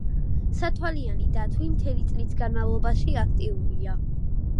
სათვალიანი დათვი მთელი წლის განმავლობაში აქტიურია.